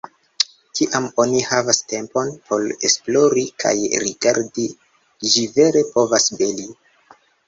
Kiam oni havas tempon por esplori kaj rigardi, ĝi vere povas beli.